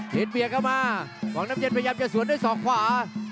เบียดเข้ามาของน้ำเย็นพยายามจะสวนด้วยศอกขวา